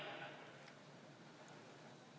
มาดูตัวเลขกันยิ่งชัดนะฮะ